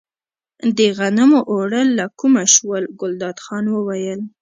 د غنمو اوړه له کومه شول، ګلداد خان وویل.